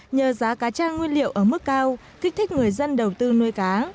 nhờ giá cá cha nguyên liệu ở mức cao kích thích người dân đầu tư nuôi cá